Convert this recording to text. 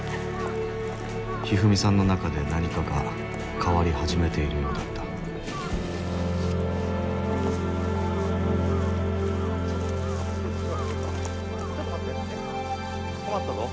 ひふみさんの中で何かが変わり始めているようだったちょっと待って困ったぞ。